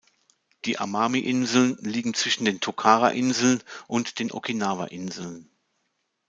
Die Amami-Inseln liegen zwischen den Tokara-Inseln und den Okinawa-Inseln.